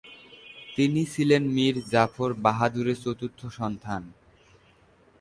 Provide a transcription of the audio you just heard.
তিনি ছিলেন মীর জাফর বাহাদুরের চতুর্থ সন্তান।